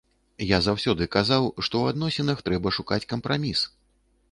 Я заўсёды казаў, што ў адносінах трэба шукаць кампраміс.